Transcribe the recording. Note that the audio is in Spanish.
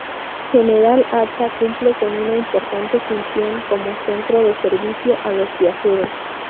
General Acha cumple una importante función como centro de servicio a los viajeros.